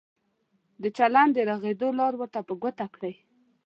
د چلند د رغېدو لار ورته په ګوته کړئ.